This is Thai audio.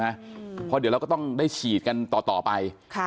เพราะเดี๋ยวเราก็ต้องได้ฉีดกันต่อไป